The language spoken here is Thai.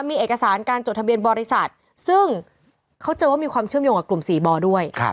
มีเอกสารการจดทะเบียนบริษัทซึ่งเขาเจอว่ามีความเชื่อมโยงกับกลุ่ม๔บด้วย